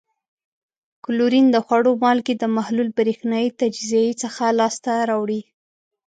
کلورین د خوړو مالګې د محلول برېښنايي تجزیې څخه لاس ته راوړي.